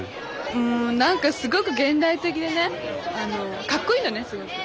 うん何かすごく現代的でね格好いいのねすごく。